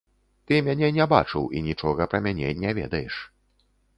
Ты мяне не бачыў і нічога пра мяне не ведаеш.